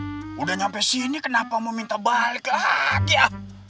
lah udah nyampe sini kenapa mau minta balik lagi ah